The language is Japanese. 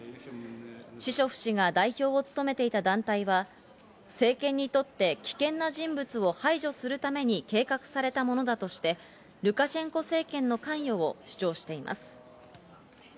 シショフ氏が代表を務めていた団体は政権にとって危険な人物を排除するために計画されたものだとしてルカシェンコ政権の関与を主張しています。